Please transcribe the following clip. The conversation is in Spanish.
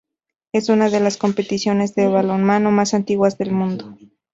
Es una de las competiciones de balonmano más antiguas del mundo.